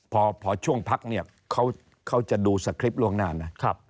พอช่วงพักเนี่ยเขาจะดูสคริปต์ล่วงหน้านะ